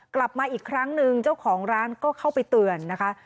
กลับมาอีกครั้งหนึ่งเจ้าของร้านก็เข้าไปเตือนนะคะ